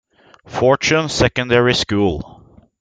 Fortune Secondary School.